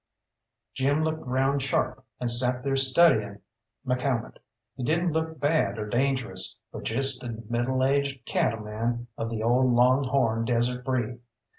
Jim looked round sharp and sat there studying McCalmont. He didn't look bad or dangerous, but just a middle aged cattle man of the old long horn desert breed.